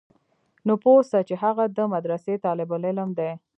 نو پوه سه چې هغه د مدرسې طالب العلم دى.